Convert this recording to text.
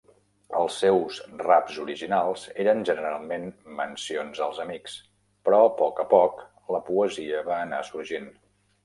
Els seus raps originals eren generalment mencions als amics, però a poc a poc la poesia va anar sorgint.